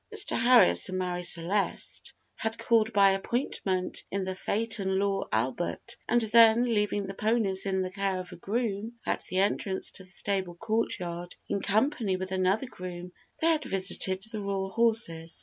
Mr. Harris and Marie Celeste had called by appointment in the phaeton lor Albert, and then leaving the ponies in the care of a groom at the entrance to the stable courtyard, in company with another groom they had visited the royal horses.